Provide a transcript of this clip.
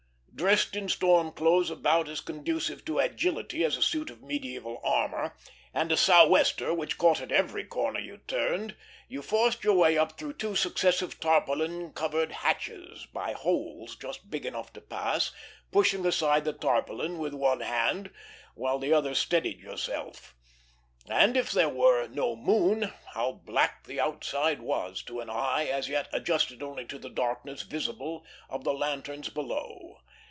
Dressed in storm clothes about as conducive to agility as a suit of mediæval armor, and a sou'wester which caught at every corner you turned, you forced your way up through two successive tarpaulin covered hatches, by holes just big enough to pass, pushing aside the tarpaulin with one hand while the other steadied yourself. And if there were no moon, how black the outside was, to an eye as yet adjusted only to the darkness visible of the lanterns below!